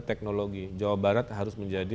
teknologi jawa barat harus menjadi